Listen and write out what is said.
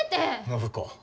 暢子